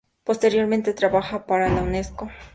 Posteriormente trabaja para la Unesco.